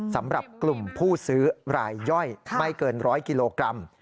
สำหรับกลุ่มผู้ซื้อรายย่อยไม่เกิน๑๐๐กิโลกรัม